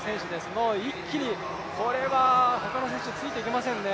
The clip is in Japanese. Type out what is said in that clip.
もう一気に、これは他の選手ついていけませんね。